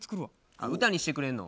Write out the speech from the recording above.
あっ歌にしてくれんの？